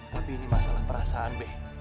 tapi ini masalah perasaan